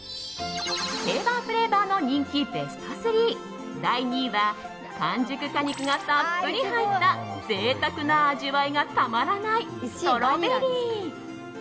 定番フレーバーの人気ベスト３第２位は完熟果肉がたっぷり入った贅沢な味わいがたまらないストロベリー。